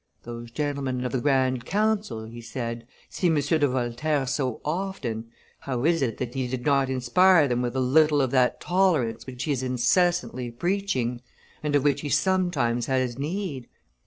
"Those gentlemen of the Grand Council," he said, "see M. de Voltaire so often, how is it that he did not inspire them with a little of that tolerance which he is incessantly preaching, and of which he sometimes has need?